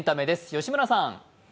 吉村さん。